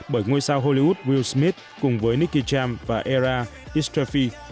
bởi ngôi sao hollywood will smith cùng với nicky jam và era east trophy